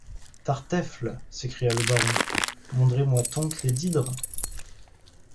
Tarteifle! s’écria le baron, mondrez moi tonc les didres?